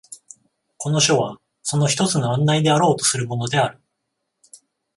この書はその一つの案内であろうとするものである。